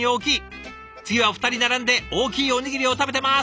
次はお二人並んで「大きいおにぎりを食べてます！」